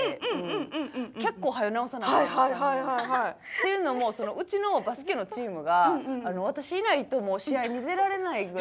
っていうのもうちのバスケのチームが私いないともう試合に出られないぐらい。